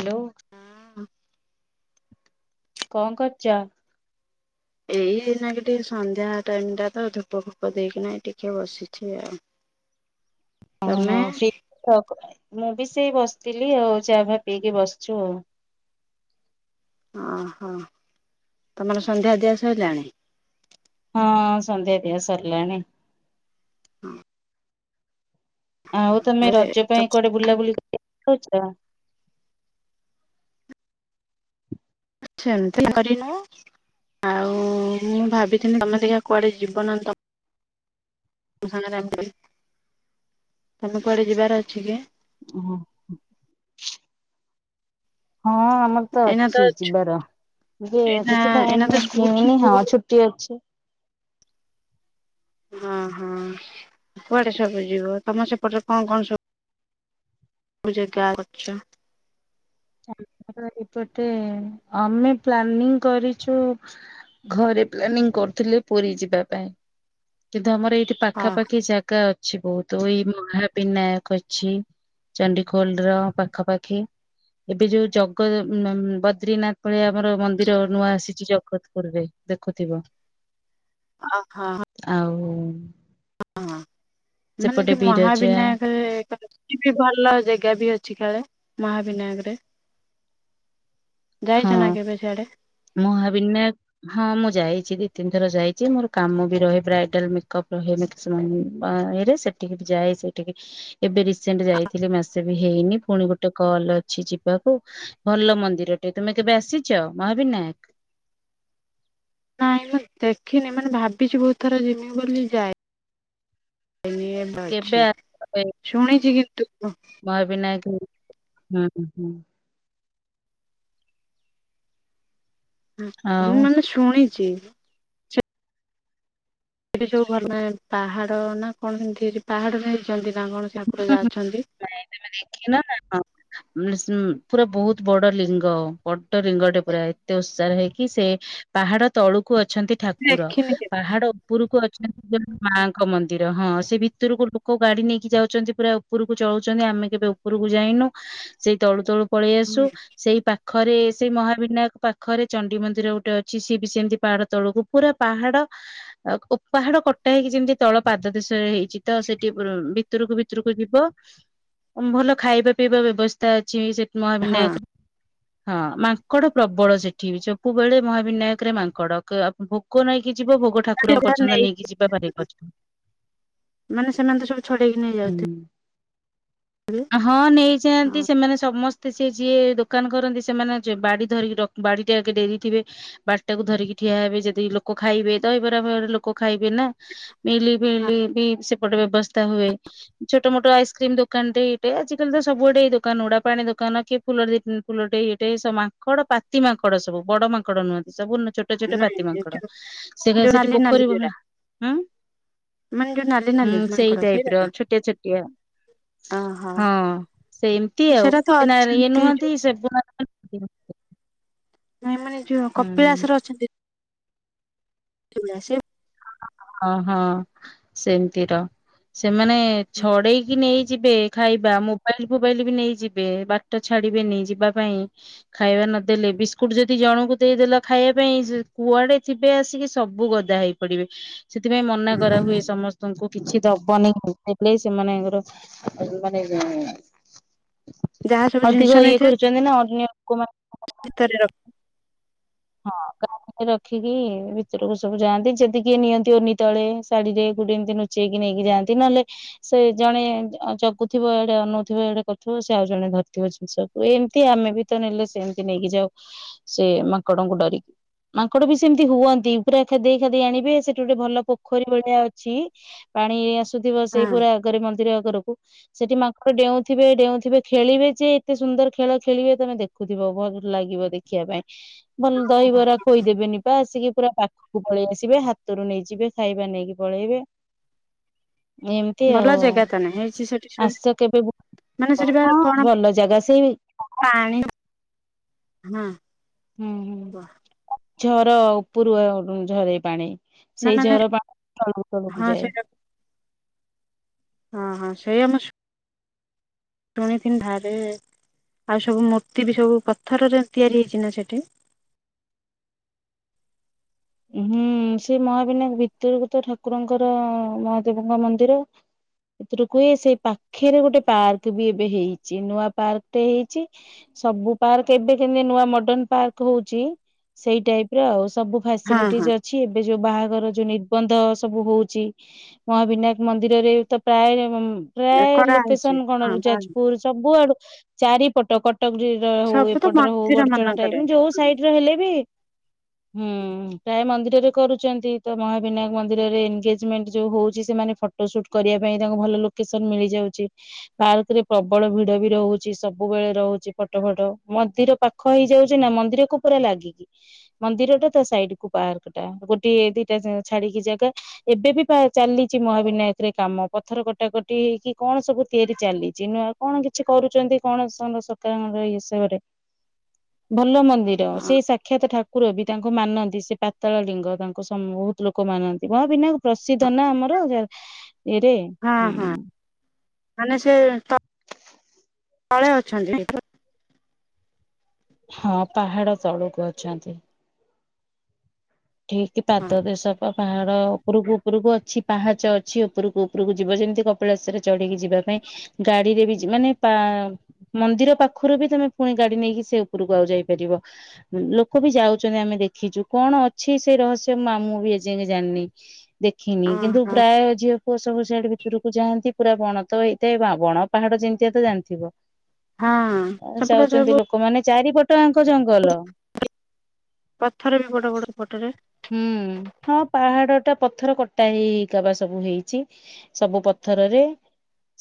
Hello. ହଁ। କଁ କରଚ? ଏଇ ଏନା ଟିକେ ସନ୍ଧ୍ୟା ଟାଇମ୍ ଟା ତ ଧୂପ ଫୂପ ଦେଇକିନା ଏ ଟିକେ ବସିଛି ଆଉ। ହ ତମେ ଓହୋ ସି କ ମୁଁ ବି ସେଇ ବସ୍ଥିଲି ଆଉ ଚା ଫା ପିଇକି ବସଚୁ ଆଉ। ଅଁ ହଁ ତମର ସନ୍ଧ୍ୟା ଦିଆ ସଇଲାଣି? ହଁ ସନ୍ଧ୍ୟା ଦିଆ ସର୍ଲାଣି। ହଁ। ଆଉ ତମେ ଏବେ ରଜ ପାଇଁ କୁଆଡେ ବୁଲାବୁଲି କରିଚ? ଆ ଛେମ୍ତି କରିନୁ। ଆଉ ମୁଁ ଭାବିଥିଲି ତମେ ଟିକେ କୁଆଡେ ଯିବ ନା ତ [unintelligible] ତମେ କୁଆଡେ ଯିବାର ଅଛି କି? ଅଁ ହଁ। ହଁ ଆମର ତ ଅଛି ଯିବାର ଯେ ଏଇନା ଦେଖିବା ଏଇନା ତ ଏନେ ସ୍କୁଲ ହେଇନି ଯିବୁ। ହଁ ଛୁ ଟି ଅଛି। ହଁ-ହଁ କୁଆଡେ ସବୁ ଯିବ ତମ ସେପଟରେ କଁ କଁ ସ କୋଉ ଜେଗା ଅଛ? ଆମର ଏପଟେ ଆମେ ପ୍ଲାନିଂ କରିଛୁ ଘରେ ପ୍ଲାନିଂ କରୁଥିଲେ ପୁରୀ ଯିବା ପାଇଁ କିନ୍ତୁ ଆମର ଏଇଠି ହଁ ପାଖାପାଖି ଜାଗା ଅ ଅଛି ବହୁତୁ ଏଇ ମହାବିନାୟକ ଅଛି ଚଣ୍ଡିଖୋଲ୍ ର ପାଖାପାଖି। ଏବେ ଯୋଉ ଜଗ ଉଁ ନା ଉଁ ବଦ୍ରିନାଥ ଭଳିଆ ଆମର ମନ୍ଦିର ନୂଆ ଆସିଚି ଜଗତପୁରୁ ରେ। ଦେଖୁଥିବ। ଅଁ ହଁ। ଆଉ ହୁଁ। ହଁ ମାନେ ଯୋଉ ବିରଜା ମହାବିନାୟକ [unintelligible] କିଛି ଭଲ ଜେଗା ବି ଅଛି କାଳେ ମହାବିନାୟକରେ? ଯାଇଛ ନା କେବେ ସିଆଡେ? ମହାବିନା ହଁ ମୁଁ ଯାଇଚି ଦି ତିନ୍ ଥର ଯାଇଚି ମୋର୍ କାମ ବି ରହେ ବ୍ରାଇଡାଲ୍ ମେକ୍ ଅପ୍ ରହେ ମେ [unintelligible] ସେଠିକି ବି ଯାଏ ସେଇଠିକି। ଏବେ ରିସେଣ୍ଟ୍ ଯାଇଥିଲି ମାସେ ବି ହେଇନି ଫୁଣି ଗୋଟେ କଲ୍ ଅ ଅଛି ଯିବାକୁ ଭଲ ମନ୍ଦିର ଟେ ତୁମେ କେବେ ଆସିଛ ମହାବିନାୟକ? ନାଇଁ ମୁଁ ଦେଖିନି ମାନେ ଭାବିଛିି ବହୁତ ଥର ଯିମି ବୋଲି ଯାଏ। [unintelligible] ଅଛି ଶୁଣିଛି କିନ୍ତୁ ମହା ବିନାୟକ ହଁ ହଁ। ହ ମୁଁ ଆଉ ମାନେ ଶୁଣିଛି ଏଠି ସବୁ ଭଲ ନା ପାହାଡ ନା କଣ ସେମିତି ହେ ପାହାଡରେ ହେଇଛନ୍ତି ନା କଣ ସେ ଠାକୁର ହୁଁ ଯାହା ହୁଁ ଅଛନ୍ତି। ନାଇଁ ତମେ ଦେଖିନ ନା ପୁରା ବହୁତ ବଡ ଲିଙ୍ଗ ବଡ ଲିଙ୍ଗଟେ ପୁରା ଏତେ ଓସାର ହେଇକି ସେ ପାହାଡ ତଳୁକୁ ଅଛନ୍ତି ଠାକୁର ଦେଖିନି ପାହାଡ ଉପରକୁ ଅଛନ୍ତି ମାଙ୍କ ମନ୍ଦିର ହଁ ସେ ଭିତରକୁ ଲୋକ ଗାଡି ନେଇକି ଯାଉ ଛନ୍ତି ପୁରା ଉପରକୁ ଚଳୁଛନ୍ତି ଆମେ କେବେ ଉପରକୁ ଯାଇନୁ ସେଇ ତଳୁ ତଳୁ ପଳେଇ ଆସୁ କେବେ ସେଇ ପାଖ ପାଖରେ ସେଇ ମହାବିନାୟକ ପାଖରେ ଚଣ୍ଡି ମନ୍ଦିର ଗୋଟେ ଅଛି ସିଏ ବି ସେମିତି ପାହାଡ ତଳକୁ ପୁରା ପାହାଡ ପାହାଡ କଟା ହେଇକି ଯେମିତି ତଳ ପାଦ ଦେଶରେ ହେଇଛି ତ ସେଠି ବି ଭିତରକୁ ଭିତରକୁ ଯିବ ଭଲ ଖାଇବା ପିଇବା ବ୍ୟବସ୍ଥା ଅଛି। ସେଠି ହଁ ମହାବିନାୟକରେ ହଁ ମାଙ୍କଡ ପ୍ରବଳ ସେଠି ସବୁବେଳେ ମହାବିନାୟକ ରେ ମାଙ୍କଡ ଭୋଗ ନେଇକି ଯିବ ଭୋଗଟା ଠାକୁରଙ୍କ ପର୍ଯ୍ୟନ୍ତ ନେଇ ନେଇକି ଯିବା ଭାରି କଷ୍ଟ। ମାନେ ସେମାନେ ତ ସବୁ ଛଡେଇ କିି ନେଇ ଯାଉଥିବେ। ହୁଁ ହଁ ନେଇଯାନ୍ତି ସେମାନେ ସମସ୍ତ ତ ସେ ଯିଏ ଦୋକାନ କରନ୍ତି ସେମାନେ ବାଡି ଧରିକି ରଖି ବାଡିଟା ଆଗେ ଡେରି ଥିବେ। ବାଡିଟାକୁ ଧରିକି ଠିଆ ହେବେ ଯଦି ଲୋକ ଖାଇବେ ଦହିବରା ଫଇବରା ଲୋକ ଖାଇବେ ନା ମିଲଫିଲ ବି ସେପଟେ ବ୍ୟବସ୍ଥା ହୁଏ। ଛୋଟ ମୋଟ ଆଇସ୍କ୍ରିମ ଦୋକାନଟେ ଆଜିକାଲି ତ ସବୁଆଡେ ଏଇ ଦୋକାନ ଗୁଡା ପାଣି ଦୋକାନ କି ଫୁଲର ଦି ଫୁଲଟେ ଏଇଟେ ମାଙ୍କଡ ପାତି ମାଙ୍କଡ ସବୁ ବଡ ମାଙ୍କଡ ନୁହନ୍ତି। ସବୁ ଛୋଟ ଛୋଟ ଛୋଟ ନାଇଁ ପାତି ମାଙ୍କଡ ସେ ଯୋଉ ସେଠି ନାଲି ନାଲି ପୋଖରୀ ଭଁ ଯୋଉରା ହାଁ ମାନେ ଯୋଉ ନାଲି ହୁଁ ନାଲି ସେଇ ମାଙ୍କଡ ଟାଇପ ସେଇରା। ର ଛୋଟିଆ ଛୋଟିଆ। ଓହୋ ହଁ ସେମତି ଆଉ ସେଇଟା ତ ନା ଇଏ ଅଛନ୍ତି ନୁହନ୍ତି ସେ [unintelligible] ନାଇ ମାନେ ଯଉ ହୁଁ କପିଳାସର ଅଛନ୍ତି। ସେ [unintelligible] ହଁ ହଁ ସେମିତିର ସେମାନେ ଛଡେଇକି ନେଇ ଯିବେ। ଖାଇବା ମୋବାଇଲ ଫୋବାଇଲ ବି ନେଇଯିବେ ବାଟ ଛାଡିବେନି ଯିବା ପାଇଁ। ଖାଇବା ନଦେଲେ ବିସ୍କୁଟ୍ ଯଦି ଜଣଙ୍କୁ ଦେଇଦେଲ ଖାଇବା ପାଇଁ କୁଆଡ଼େ ଥିବେ ଆସିକି ସବୁ ଗଦା ହେଇ ପଡିବେ ସେଥିପାଇଁ ମନା କରା ହୁଏ ସମସ୍ତ ତଙ୍କୁ କିଛି ଦବନି ଦେଲେ ସେମାନଙ୍କର ମାନେ ଯାହା ସବୁ ଜିନିଷ ଅଧିକ ଇଏ ନେଇଥିବେ କରୁଛନ୍ତି ନା ଅନ୍ୟ ଲୋକମାନେ [unintelligible] ହଁ ରଖିକି ଭିତରକୁ ସବୁ ଯାଆନ୍ତି। ଯଦି କିଏ ନିଅନ୍ତି ଓନି ତଳେ ଶାଢୀରେ ଗୁଡେଇ ଏମିତି ଲୁଚେଇ ନେଇକି ଯାଆନ୍ତି। ନହେଲେ ସେ ଜଣେ ଜଗୁଥିବ ଏଇଡେ ଅନଉଥିବ ଏଇଡେ କରୁ ଥିବ ସେ ଆଉ ଜଣେ ଧରିଥିବ ଜିନିଷକୁ ଏମତି ଆମେ ବି ତ ନେଲେ ସେମିତି ନେଇକି ଯାଉ ସେ ମାଙ୍କଡଙ୍କୁ ଡରିକି। ମାଙ୍କଡ ବି ସେମିତି ହୁଅନ୍ତି ପୁରା ଖେଦେଇ ଖେଦେଇ ଆଣିବେ ସେଠି ଗୋଟେ ଭଲ ପୋଖରୀ ଭଳିଆ ଅଛି। ପାଣି ଏ ଆସୁଥିବ ସେଇ ହଁ ପୁରା ଆଗରେ ମନ୍ଦିର ଆଗରକୁ। ସେଠି ମାଙ୍କଡ ଡେଉଁଥିବେ ଡେଉଁଥିବେ ଖେଳିବେ ଯେ ଏତେ ସୁନ୍ଦର ଖେଳ ଖେଳିବେ ତମେ ଦେଖୁ ଖୁଥିବ ଭଲ ଲାଗିବ ଦେଖିବା ପାଇଁ। ଭଲ ଦହିବରା ଖୋଇଦେବେନି ପା ଆସିକି ପୁରା ପାଖକୁ ପଳେଇ ଆସିବେ ହାତରୁ ନେଇଯିବେ ଖାଇବା ନେଇକି ପଳେଇବେ। ଏମତି ଭଲ ଆଉ ଜାଗା ତ ନାହିଁ ହେଇଛି ସେଠି ସବୁ ଆସ କେବେ ମାନେ ସେଠି ବା ହଁ କଣ ଭଲ ଜାଗା ସେଇ ପାଣି ହଁ ହୁଁ, ହୁଁ ଝର ଉପରୁ ଉ ଝରେଇ ପାଣି। ନା ସେଇ ମାନେ ଝର ପାଣି ତଳକୁ ତଳକୁ ହଁ ଯାଏ। ସେଇଟା ହଁ, ହଁ ସେଇ ଆମ ସୁ ଶୁଣିଥିନି ବାହାରେ ଆଉ ସବୁ ମୂର୍ତି ବି ସବୁ ପଥରରେ ତିଆରି ହେଇଛି ନା ସେଠି? ହୁଁ ସେ ମହାବିନାୟକ ଭିତରକୁ ତ ଠାକୁରଙ୍କର ମହାଦେବଙ୍କ ମନ୍ଦିର। ଏଥିରୁ କୁହେ ସେଇ ପାଖେରେ ଗୋଟେ ପାର୍କ ବି ଏବେ ହେଇଛି ନୂଆ ପାର୍କଟେ ହେଇଛି। ସବୁ ପାର୍କ ଏବେ କେମତି ନୂଆ ମର୍ଡନ ପାର୍କ ହଉଛି ସେଇ ଟାଇପର ଆଉ ସବୁ ଫା ହଁ ହଁ ସିଲିଟିଜ ଅଛି। ଏବେ ଯୋଉ ବାହାଘର ଯୋଉ ନିର୍ବନ୍ଧ ସବୁ ହୋଉଛି ମହାବିନାୟକ ମନ୍ଦିରରେ ତ ପ୍ରାୟ ପ୍ରାୟେ କରାହଉଛି ଲୋକେସନ ହଁ କଣରୁ ଯାଜପୁର ସବୁଆଡୁ ଚାରିପଟ କଟ ଟକ ଜିର ହୋଉ ସବୁ ତ ଏପଟର ହୋଉ ମନ୍ଦିର ବଡଚଣା ମାନଙ୍କରେ ଟାଇପ ମାନେ ଯୋଉ ସାଇଟର ହେଲେ ବି ହୁଁ। ପ୍ରାୟେ ମନ୍ଦିରରେ କରୁଛନ୍ତି ତ ମହାବିନାୟକ ମନ୍ଦିରରେ ଏନଗେଜମେଣ୍ଟ ଯୋଉ ହଉଛି ସେମାନେ ଫଟ୍ ଫୋଟୋ ସୁଟ କରିବା ପାଇଁ ତାଙ୍କୁ ଭଲ ଲୋକେସନ ମିଳିଯାଉଛି। ପାର୍କରେ ପ୍ରବଳ ଭିଡ ବି ରହୁଛି ସବୁବେଳେ ରହୁଛି ଫଟୋ ଫଟ ମନ୍ଦିର ପାଖ ପାଖ ହେଇଯାଉଛି ନା ମନ୍ଦିରକୁ ପୁରା ଲାଗିକି ମନ୍ଦିର ଟା ତା ସାଇଡ ପାର୍କ ଟା ଗୋଟେ ଦିଟା ଛାଡିକି ଜାଗା ଏବେ ବି ପ୍ରାୟ ଚାଲିଛି ମହାବିନାୟକରେ କାମ ପଥର କଟାକଟି ହେଇକି କଣ ସବୁ ତିଆରି ଚାଲିଛି ନୂଆ କଣ କିଛି କରୁଛନ୍ତି କଣ [unintelligible] ଏଇ ହିସାବରେ ଭଲ ମନ୍ଦ ନ୍ଦିର ହଁ ସେଇ ସାକ୍ଷାତ ଠାକୁର ବି ତାଙ୍କୁ ମାନନ୍ତି ସେ ପାତାଳ ଲିଙ୍ଗ ତାଙ୍କୁ ସମ୍ ବହୁତ ଲୋକ ମାନନ୍ତି। ମହାବିନାୟକ ପ୍ରସିଦ୍ଧ ନା ଆମର ଯା ଏରେ। ହଁ ହଁ ମାନେ ସେ ତଳେ ଅଛନ୍ତି। ହଁ ପାହାଡ ତଳକୁ ଅଛନ୍ତି। ଠିକ ପାଦ ଦେଶପା ପାହାଡ଼ ଉପରକୁ ଉପରକୁ ଅଛି ପାହାଚ ଅଛି ଉପରକୁ ଉପରକୁ ଯିବ ଯେମିତି କପିଳାଶରରେ ଚଢିକି ଯିବା ପାଇଁ ଗାଡିରେ ବି ଯିବ ମାନେ ପା ମନ୍ଦିର ପାଖରୁ ବି ତମେ ପୁଣି ଗାଡି ନେଇକି ସେ ଉପରକୁ ଆଉ ଯାଇପାରିବ। ଲୋକ ବି ଯାଉଛନ୍ତି ଆମେ ଦେଖିଛୁ କଣ ଅ ଅଛି ସେଇ ରହସ୍ୟ ମା ମୁଁ ବି ଏଯାଏ ଜାଣିନି ଦେଖିନି କିନ୍ତୁ ଓହୋ ପ୍ରାୟ ଝିଅ ପୁଅ ସବୁ ସିଆଡେ ଭିତରକୁ ଯାଆନ୍ତି ପୁରା ବଣ ତ ହେଇଥାଏ ବା ବଣ ପାହାଡ ଯେମିତିଆ ତ ଜାଣିଥିବ। ହଁ ସେପଟେ ଯାଉଛନ୍ତି ସବୁ ଲୋକମାନେ ଚାରିପଟ ଆଙ୍କ ଜଙ୍ଗଲ। ପଥରବି ବଡ ବଡ ଫଟରେ ହୁଁ ହଁ ପାହାଡ ଟା ପଥର କଟା ହେଇ ହେଇକା ବା ସବୁ ହେଇଛି। ସବୁ ପଥରରେ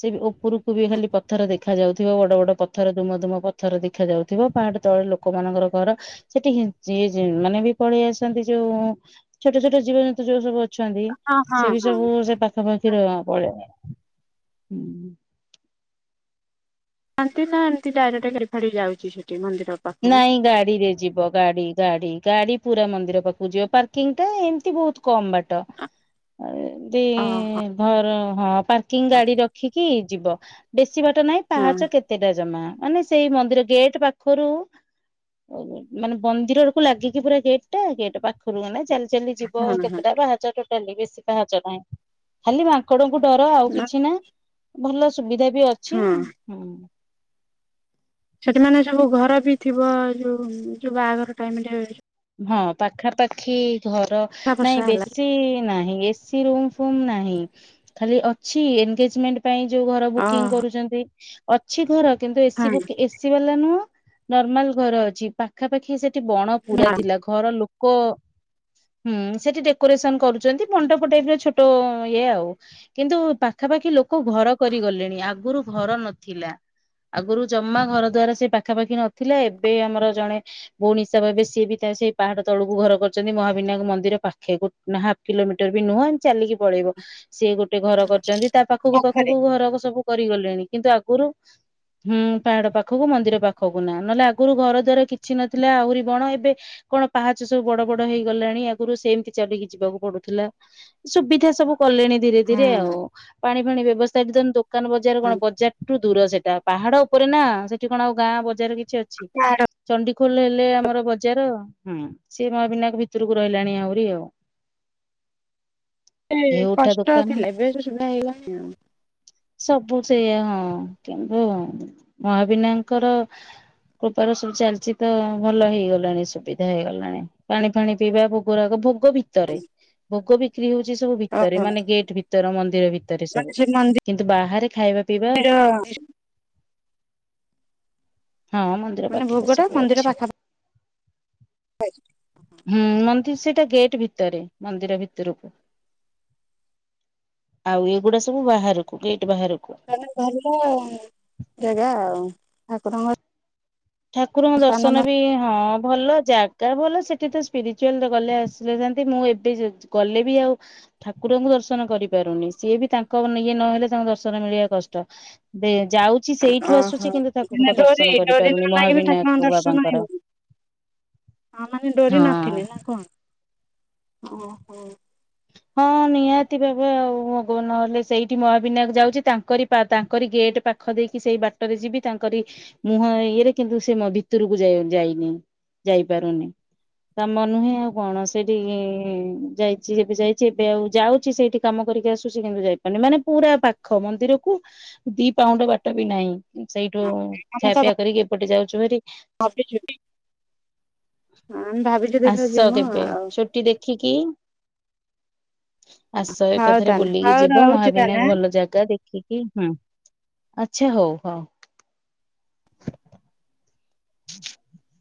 ସେ ଉପରକୁ ବି ଖାଲି ପଥର ଦେଖି ଖାଯାଉଥିବ ବଡ଼ ବଡ଼ ପଥର ଧୁମଧୁମ ପଥର ଦେଖାଯାଉଥିବ ପାହାଡ଼ ତଳେ ଲୋକମାନଙ୍କର ଘର ସେଠି ହେଞ୍ଚେ ଯେ ମାନେ ବି ପଳେଇ ଆସନ୍ତି। ଯୋଉ ଛୋଟ ଛୋଟ ଜୀବ ଜନ୍ତୁ ଯୋଉ ସବୁ ଅଛନ୍ତି ହଁ ହଁ ସେ ବି ହଁ ସବୁ ସେ ପା ପାଖ ପାଖି ରେ ହଁ ପଳେଇ ଆ ହୁଁ। ଆସନ୍ତି ନା ଏମତି ଡାଇରେକ୍ଟ ଗାଡି ଫାଡି ଯାଉଛି ସେଠି ମନ୍ଦିରକୁ। ନାଇଁ ଗାଡିରେ ଯିବ। ଗାଡି ଗାଡି ଗାଡି ପୁରା ମନ୍ଦିର ପାଖକୁ ଯିବ ପାର୍କିଂ ଟା ଏମିତି ବହୁତ୍ କମ୍ ବାଟ। ଆଉ ଏମତି ଓହୋ। ଘର ହଁ ପାର୍କିଂ ଗାଡି ରଖିକି ଯିବ ବେଶୀ ବାଟ ନାହିଁ ହଁ ପାହାଚ କେତେ କେତେଟା ଜମା ମାନେ ସେଇ ମନ୍ଦିର ଗେଟ୍ ପାଖରୁ କୋଉ ଗେଟ୍ ମାନେ ବନ୍ଦିର କୁ ଲାଗିକି ପୁରା ଗେଟ୍ ଟା ଗେଟ୍ ପା ପାଖରୁ ଜଣେ ଚାଲି ଚାଲି ଯିବ ହଁ ହଁ କେତେଟା ପାହାଚ ଟୋଟାଲି ବେଶୀ ପାହାଚ ନାହିଁ। ଖାଲି ମାଙ୍କଡ କୁ ଡର ଆଉ ନା କିଛି ନାହିଁ ଭଲ ସୁବିଧା ବି ଅଛି ହଁ ହୁଁ। ସେଠିମାନେ ସବୁ ଘର ବି ଥିବ ଯୋଉ ଯୋଉ ବାହାଘର ଟାଇମ୍ ରେ ହଁ ପାଖାପାଖି ଘର ନାଇଁ ଫର୍ଷା ହେଲା ବେଶୀ ନାହିଁ। ସେ ରୁମ୍ ଫୁମ୍ ନାହିଁ ଖାଲି ଅଛି ଏଙ୍ଗେଞ୍ଜମେଣ୍ଟ ପାଇଁ ଯୋଉ ଘର ବୁକିଂ ଓହୋ କରୁଛନ୍ତି ଅଛି ଘର କିନ୍ତୁ ଏସି ହଁ ବୁକ୍ ଏସି ଏସି ବାଲା ନୁହଁ ନର୍ମାଲ ଘର ଅଛି ପାଖାପାଖି ସେଠି ବଣ ପୁରା ହଁ ଥିଲା ଘର ଲୋ କ ହୁଁ, ସେଠି ଡେକୋରେସନ କରୁଛନ୍ତି ମଣ୍ଡପ ଟାଇପ୍ ର ଛୋଟ ଇଏ ଆଉ କିନ୍ତୁ ପା ପାଖାପାଖି ଲୋକ ଘର କରିଗଲେଣି ଆଗରୁ ଘର ନଥିଲା। ଆଗରୁ ଜମା ଘର ଦ୍ୱାର ସେ ପାଖାପାଖି ନଥିଲେ ଏବେ ଆମର ଜଣେ ଭଉଣୀ ହିସାବ ହେବେ ସେ ସିଏ ବି ତା ସେଇ ପାହାଡ ତଳକୁ ଘର କରିଛନ୍ତି ମହାବିନାୟକ ମନ୍ଦିର ପାଖେକୁ ଗୋଟେ ହାଫ୍ କିଲୋମିଟର ଟର ବି ନୁହଁ ଏମତି ଚାଲିକି ପଳେଇବ ସିଏ ଗୋଟେ ଘର କରିଛନ୍ତି ତା ପାଖକୁ ପାଖକୁ ଘର ସବୁ କରିଗଲେଣି କିନ୍ତୁ ଆଗରୁ ହୁଁ ପାହାଡ ପାଖକୁ ମନ୍ଦିର ପାଖକୁ ନା ନହେଲେ ଆଗରୁ ଘର ଦ୍ୱାର କିଛି ନଥିଲା ଆହୁରି ବଣ ଏ ଏବେ କଣ ପାହାଚ ସବୁ ବଡ ବଡ ହେଇଗଲାଣି ଆଗରୁ ସେମିତି ଚାଲିକି ଯିବାକୁ ପଡୁଥିଲା। ସୁବିଧା ସବୁ କଲେଣି ଧୀରେ ଧୀରେ ହଁ। ଆଉ ପାଣି ଫାଣି ବ୍ୟବସ୍ଥା ତ ଦୋକାନ ବଜାର ହଁ। କଣ ବଜାର ରୁ ଦୂର ସେଟା ପାହାଡ ଉପରେ ନା ସେଠି କଣ ଆଉ ଗାଁ ବଜାର କିଛି ଅଛି? ଚଣ୍ଡିଖୋଲ ହେଲେ ଆମର ବ ବଜାର ହଁ ସିଏ ମହବିିନାୟକ ଭିତରକୁ ରହିଲାଣି ଆହୁରି ଆଉ। ଏ ଉଠା କଷ୍ଟ ଦୋକାନ ଥିଲା ଏବେ ସବୁ ସୁବିଧା ହେଇଗଲାଣି ଆଉ ହୁଁ। ସବୁ ସେଇଆ ହଁ କିନ୍ତୁ ମହାବିନାୟଙ୍କର କୃପାରୁ ସବୁ ଚାଲିଛି ତ ଭଲ ହେଇଗଲୁ। ସୁବିଧା ହେଇଗଲାଣି ପାଣି ଫାଣି ପିଇବା ଭୋଗ ରାଗ ଭୋଗ ଭିତରେ ଭୋଗ ଭି ବିକ୍ରି ହଉଛି ସବୁ ଭିତରେ ଓହୋ ମାନେ ଗେଟ ଭିତର ମନ୍ଦିର ଭି ଭିତରେ ମାନେ ସବୁ ସେ ମନ୍ଦିର କିନ୍ତୁ ବାହାରେ ଖାଇବା ପିଇବା ହଁ ମନ୍ଦିର ମାନେ ଭୋଗ ପାଖରେ ଟା ସବୁ ମନ୍ଦିର ଅଛି। ପାଖାପାଖି ହୁଁ ମନ୍ଦିର ସେଇଟା ଗେଟ୍ ଭିତରେ ମନ୍ଦିର ଭିତରକୁ। ଆଉ ଏଗୁଡା ସବୁ ବାହାରକୁ ଗେଟ ବାହାରକୁ। ମାନେ ଭଲ ଜାଗା ଆଉ ଠାକୁରଙ୍କ ଠାକୁରଙ୍କ ସ୍ଥାନ ଦର୍ଶନ ବି ହଁ ଭଲ ଠା ଜାଗା ଭଲ ସେଠି ତ ସ୍ପିରିଚୁଆଲ ଗଲେ ଆସିଲେ ଥାନ୍ତି ମୁଁ ଏବେ ଗଲେ ବି ଆଉ ଠାକୁରଙ୍କୁ ଦର୍ଶନ କରିପାରୁନି ସିଏ ବି ତାଙ୍କ ଇଏ ନହେଲେ ତାଙ୍କୁ ଦର୍ଶନ ମିଳିବା କଷ୍ଟ। ସେ ଯାଉ ଓହୋ ଡୋରି ଡୋରି କରିପାରୁନି ଆମ ଆଗରେ ଠାକୁର ମହାବିନାୟକ ଙ୍କ ଦର୍ଶନ ବାବାଙ୍କର। [unintelligible] ହଁ ମାନେ ଡୋରି ହଁ। ନଥିଲେ ନା। କଣ? ଓହୋ। ହଁ ନିହାତି ଭାବେ ଆଉ। ଭୋଗ ନହେଲେ ସେଇଠି ମହାବିନାୟକ ଯାଉଚି ତାଙ୍କରି ତାଙ୍କରି ଗେଟ୍ ପା ଖ ଦେଇକି ସେଇ ବାଟରେ ଯିବି, ତାଙ୍କରି ମୁହଁ ଇଏରେ କିନ୍ତୁ ସେ ଭିତରକୁ ଯାଇ ଯାଇନି। ଯାଇପାରୁନି। ତାମ ନୁହେଁ ଆଉ କଣ ସେଠି ଯାଇ ଏବେ ଯାଇଚି ଏବେ ଆଉ ଯାଉଚି ସେଇଠି କାମ କରିକି ଆସୁଚି କିନ୍ତୁ ଯାଇପାରୁନି ମାନେ ପୁରା ପାଖ ମନ୍ଦିରକୁ ଦି ପାଉଣ୍ଡ ବାଟ ବି ନାହିଁ। ସେଇଠୁ ଖିଆପିଆ କରିକି ଏପଟେ ଯାଉଚୁ ଭାରି। ଅଫିସ୍ ଛୁଟି ଦେଖିବା ଆସ ଯିମୁ କେବେ ଆଉ ଛୁଟି ଦେଖିକି ଆସ ହଉ ଏକାଥରେ ତାହେଲେ ବୁଲିକି ହଉ ଯିବ। ରହୁଛି ତାହେଲେ ମହାବିନାୟକ ଆଁ। ଭଲ ଜାଗା ଦେଖିକି। ହୁଁ। ଆଚ୍ଛା ହଉ ହଉ। ହ [inaudible]